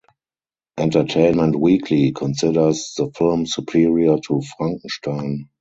"Entertainment Weekly" considers the film superior to "Frankenstein".